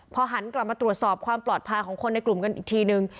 พอหันกลับมาตรวจสอบความปลอดภัยของคนในกลุ่มกันอีกทีนึง